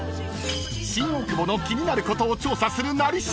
［新大久保の気になることを調査する「なり調」］